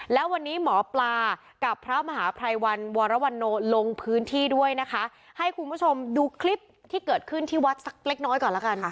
แล้ววันนี้หมอปลากับพระมหาภัยวันวรวรโนลงพื้นที่ด้วยนะคะให้คุณผู้ชมดูคลิปที่เกิดขึ้นที่วัดสักเล็กน้อยก่อนแล้วกัน